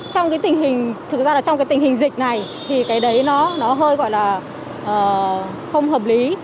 trong cái tình hình thực ra là trong cái tình hình dịch này thì cái đấy nó hơi gọi là không hợp lý